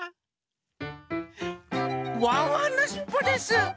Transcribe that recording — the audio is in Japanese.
ワンワンのしっぽです！